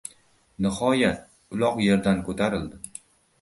Nihoyat, uloq yerdan ko‘tarildi.